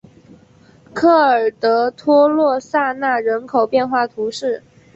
科尔德托洛萨纳人口变化图示